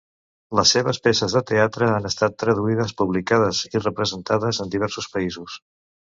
Les seves peces de teatre han estat traduïdes, publicades i representades en diversos països.